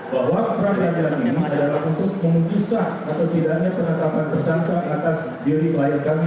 bahwa pra peradilan ini adalah untuk mengusah atau tidaknya penetapan persangka atas diri lain kami